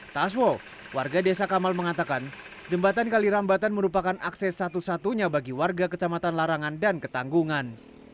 taswo warga desa kamal mengatakan jembatan kali rambatan merupakan akses satu satunya bagi warga kecamatan larangan dan ketanggungan